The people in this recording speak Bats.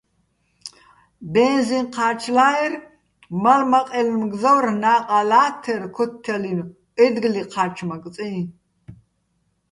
ბენზიჼ ჴა́ჩლა́ერ, მალ-მაყჲე́ჲლნო̆ მგზავრ ნა́ყა ლა́თთერ ქოთთჲალინო̆ ა́ჲდგლი ჴა́ჩმაკწიჼ.